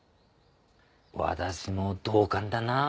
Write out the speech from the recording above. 私も同感だな。